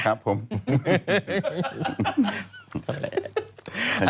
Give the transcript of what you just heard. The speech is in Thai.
ครับผม